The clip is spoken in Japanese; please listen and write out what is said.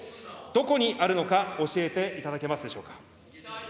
どこにあるのか教えていただけますでしょうか。